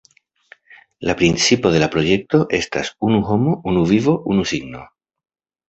La principo de la projekto estas “Unu nomo, unu vivo, unu signo”.